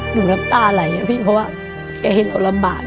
น้ำตาไหลอะพี่เพราะว่าแกเห็นเราลำบาก